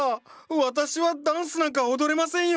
私はダンスなんか踊れませんよ！